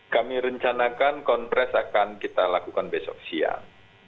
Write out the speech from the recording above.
kami rencanakan konfres akan kita lakukan besok siang